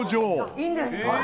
いいんですか？